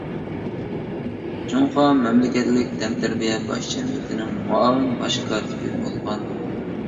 جۇڭخۇا مەملىكەتلىك تەنتەربىيە باش جەمئىيىتىنىڭ مۇئاۋىن باش كاتىپى بولغان.